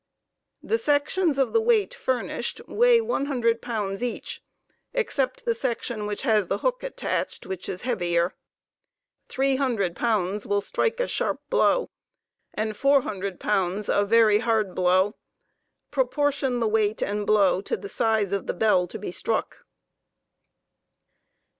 The sections of the weight furnished weigh one hundred pounds each, except the section which has the hook attached, which is heavier. Three hundred pounds will strike a sharp blow, and four hundred pounds a very hard blow*; proportion the weight • and Wow to the size of the bell to be struck.